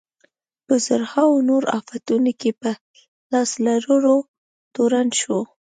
په زرهاوو نورو افتونو کې په لاس لرلو تورن شو.